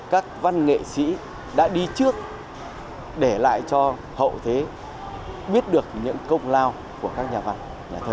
các văn nghệ sĩ đã đi trước để lại cho hậu thế biết được những công lao của các nhà văn